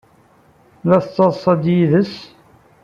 La tettaḍḍased yid-s?